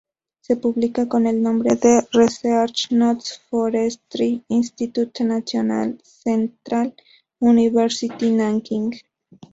Se publica con el nombre de "Research Notes, Forestry Institute; National Central University, Nanking.